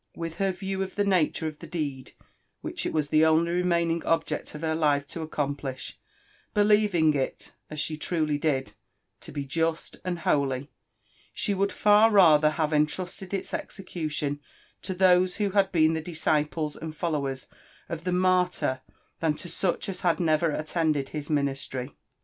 With her view of the nature of the deed which it was the only re DMtining object of her Hfe to accomplish — believing it, as she truly didi, to bejust and holy, she would far rather have entrusted its execution to these who had been the disciples and followers of the martyr than to sueh sis had never attended his ministry.